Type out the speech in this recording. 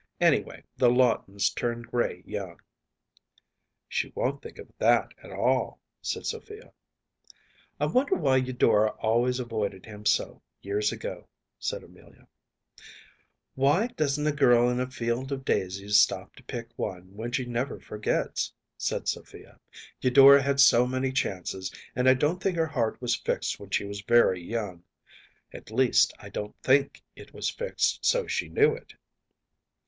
“Anyway, the Lawtons turned gray young.‚ÄĚ “She won’t think of that at all,‚ÄĚ said Sophia. “I wonder why Eudora always avoided him so, years ago,‚ÄĚ said Amelia. “Why doesn’t a girl in a field of daisies stop to pick one, which she never forgets?‚ÄĚ said Sophia. “Eudora had so many chances, and I don’t think her heart was fixed when she was very young; at least, I don’t think it was fixed so she knew it.